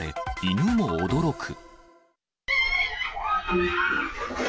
犬も驚く。